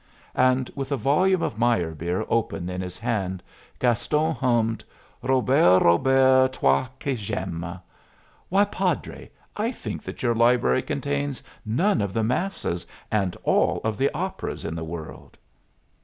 And, with a volume of Meyerbeer open in his hand, Gaston hummed: "'Robert, Robert, toi que j'aime.' Why, padre, I think that your library contains none of the masses and all of the operas in the world!"